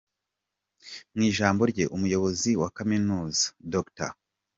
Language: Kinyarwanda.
Mu ijambo rye, Umuyobozi wa Kaminuza Dr.